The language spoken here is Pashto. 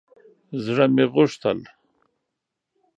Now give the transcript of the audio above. زړه مې غوښتل